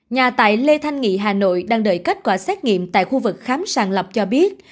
nhà tại lê thanh nghị hà nội đang đợi kết quả xét nghiệm tại khu vực khám sàng lọc cho biết